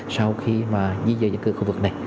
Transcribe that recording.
sau khi mà di dời những cơ khu vực này